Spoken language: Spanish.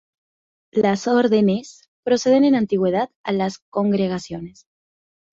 Las órdenes preceden en antigüedad a las congregaciones.